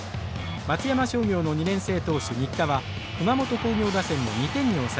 松山商業の２年生投手新田は熊本工業打線を２点に抑え